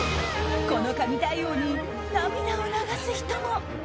この神対応に涙を流す人も。